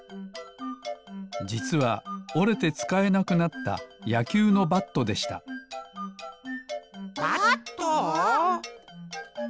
じつはおれてつかえなくなったやきゅうのバットでしたバット？